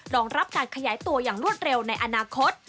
รองรับการขยายตัวอย่างรวดเร็วในอนาคต